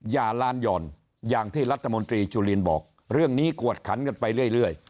ลานหย่อนอย่างที่รัฐมนตรีจุลินบอกเรื่องนี้กวดขันกันไปเรื่อย